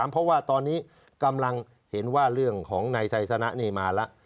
เพราะตอนนี้กำลังเห็นว่าเรื่องของในสัยสนะนี่มาละ